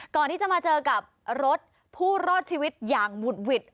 ก่อนที่จะมาเจอกับรถผู้รอดชีวิตอย่างหุดหวิด